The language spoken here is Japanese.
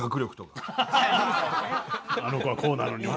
「あの子はこうなのにお前は！」